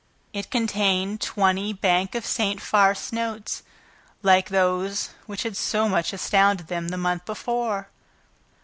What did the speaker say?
It contained twenty Bank of St. Farce notes like those which had so much astounded them the month before.